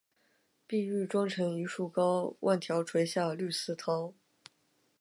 碧玉妆成一树高，万条垂下绿丝绦